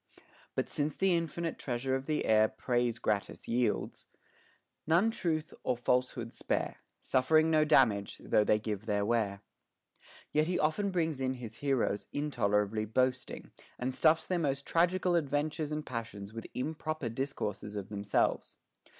But since the infinite treasure of the air Praise gratis yields, none truth or falsehood spare ; Suffering no damage, though they give their ware. Yet he often brings in his heroes intolerably boasting, and stuffs their most tragical adventures and passions with im proper discourses of themselves.